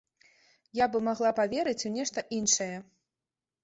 Я бы магла паверыць у нешта іншае.